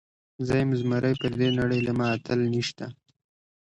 زۀ يم زمری پر دې نړۍ له ما اتل نيشته